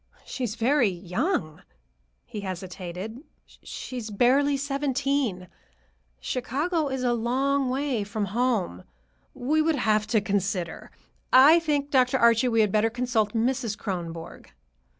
"She is very young," he hesitated; "she is barely seventeen. Chicago is a long way from home. We would have to consider. I think, Dr. Archie, we had better consult Mrs. Kronborg."